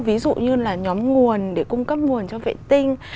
ví dụ như là nhóm nguồn để cung cấp nguồn cho vệ tinh